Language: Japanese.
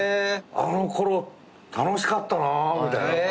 あのころ楽しかったなみたいな。